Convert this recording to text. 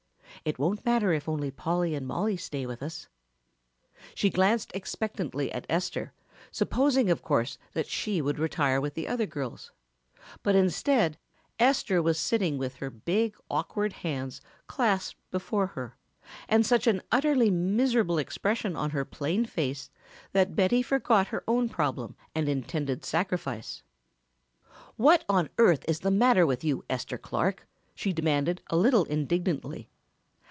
It won't matter if only Polly and Mollie stay with us." She glanced expectantly at Esther, supposing of course that she would retire with the other girls, but instead Esther was sitting with her big, awkward hands clasped before her and such an utterly miserable expression on her plain face that Betty forgot her own problem and intended sacrifice. "What on earth is the matter with you, Esther Clark?" she demanded a little indignantly.